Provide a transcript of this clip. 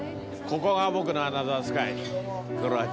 ここが僕のアナザー